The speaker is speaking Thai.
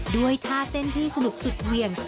ด้วยท่าเต้นที่สนุกสุดเหวี่ยง